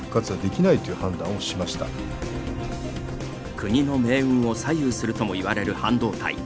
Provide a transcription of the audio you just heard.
国の命運を左右するともいわれる半導体。